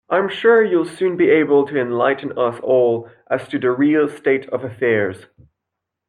I'm sure you'll soon be able to enlighten us all as to the real state of affairs.